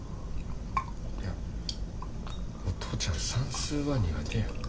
いやお父ちゃん算数は苦手や。